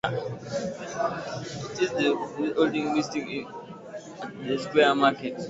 It is the oldest building at the market square.